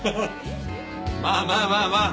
まあまあまあまあ。